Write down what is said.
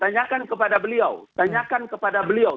tanyakan tanyakan kepada beliau